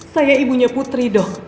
saya ibunya putri dok